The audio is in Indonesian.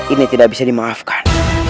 ini tidak bisa dimaafkan